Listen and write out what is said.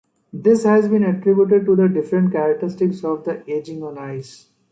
This has been attributed to the different characteristics of edging on ice.